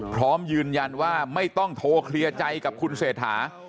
พร้อมยืนยันว่าไม่ต้องโทรเคลียร์ใจกับคุณเศรษฐา